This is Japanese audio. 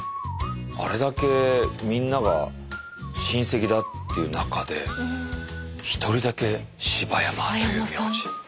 あれだけみんなが親戚だっていう中で一人だけ柴山という名字。